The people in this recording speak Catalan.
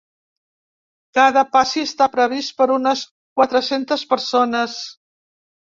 Cada passi està previst per unes quatre-centes persones.